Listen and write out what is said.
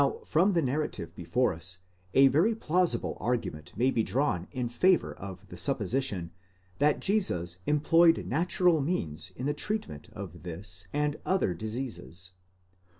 * Now from the narrative before us a very plausible argument may be drawn in favour of the supposition, that Jesus employed natural means in the treatment of this and other diseases.